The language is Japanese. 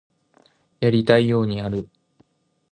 やりたいようにやる